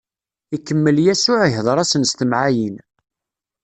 Ikemmel Yasuɛ ihdeṛ-asen s temɛayin.